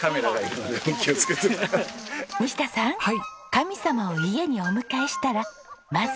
神様を家にお迎えしたらまずやる事が。